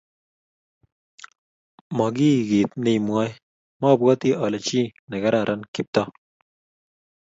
mo kiy kiit neimwoe, mobwoti ale chii nekararan Kiptoo